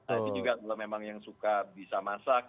itu juga memang yang suka bisa masak